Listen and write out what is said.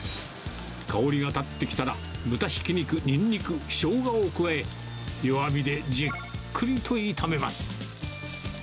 香りが立ってきたら、豚ひき肉、ニンニク、ショウガを加え、弱火でじっくりと炒めます。